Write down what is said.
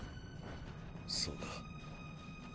そうか。